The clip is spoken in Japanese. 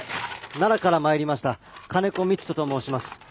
奈良から参りました金子道人と申します。